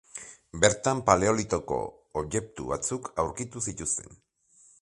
Bertan Paleolitoko objektu batzuk aurkitu zituzten.